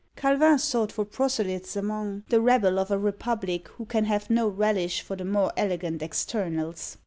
Calvin sought for proselytes among "the rabble of a republic, who can have no relish for the more elegant externals."